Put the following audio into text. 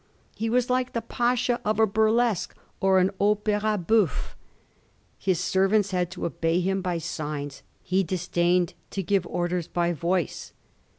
He was like the Pasha of a bur lesque or an opira houffe. His servants had to obey him by signs ; he disdained to give orders by voice.